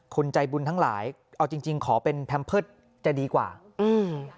คนใจบุญทั้งหลายเอาจริงจริงขอเป็นแพมเพิร์ตจะดีกว่าอืม